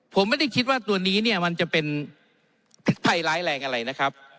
ผมไม่ได้คิดว่าตัวนี้เนี่ยมันจะเป็นภัยร้ายแรงอะไรนะครับ